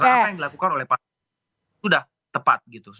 karena apa yang dilakukan oleh para mahasiswa sudah tepat gitu